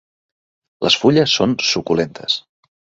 Les fulles són suculentes.